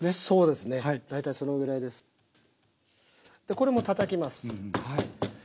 これもたたきます。